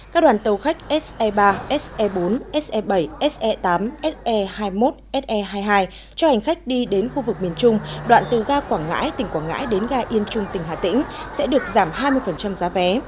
các đoàn tàu khách se ba se bốn se bảy se tám se hai mươi một se hai mươi hai cho hành khách đi đến khu vực miền trung đoạn từ ga quảng ngãi tỉnh quảng ngãi đến ga yên trung tỉnh hà tĩnh sẽ được giảm hai mươi giá vé